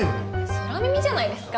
空耳じゃないですか？